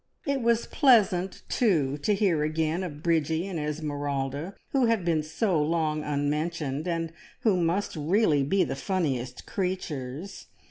It was pleasant, too, to hear again of Bridgie and Esmeralda, who had been so long unmentioned, and who must really be the funniest creatures!